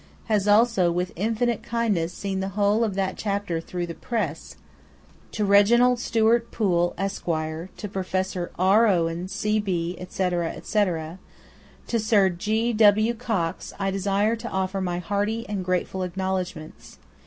has also, with infinite kindness, seen the whole of that chapter through the press; to Reginald Stuart Poole, Esq.; to Professor R. Owen, C.B., etc. etc.; to Sir G. W. Cox, I desire to offer my hearty and grateful acknowledgments.